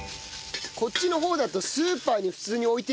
こっちの方だとスーパーに普通に置いてるんですか？